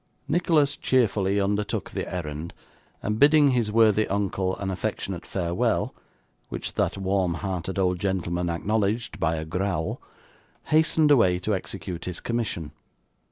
Nicholas cheerfully undertook the errand, and bidding his worthy uncle an affectionate farewell, which that warm hearted old gentleman acknowledged by a growl, hastened away to execute his commission.